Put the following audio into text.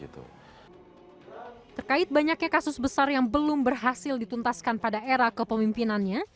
terkait banyaknya kasus besar yang belum berhasil dituntaskan pada era kepemimpinannya